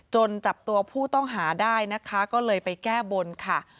จับตัวผู้ต้องหาได้นะคะก็เลยไปแก้บนค่ะ